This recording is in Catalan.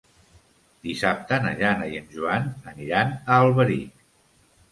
Dissabte na Jana i en Joan aniran a Alberic.